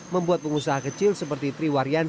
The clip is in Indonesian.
membuat pengusaha kecil seperti triwaryanti